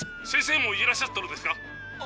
先生もいらっしゃったのですか？